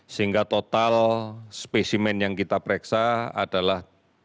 sehingga total spesimen yang kita pereksa adalah